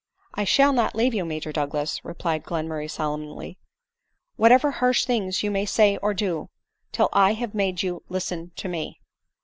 " I shaD not leave you, Major Douglas," replied Glen murray solemnly, " whatever harsh things you may say or do, till I have made you listen to me."